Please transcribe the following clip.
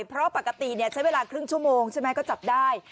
เพราะปกติใช้เวลาครึ่งชั่วโมงใช่ไหมก็จับได้